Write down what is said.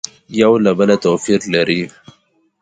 یو له بله تو پیر لري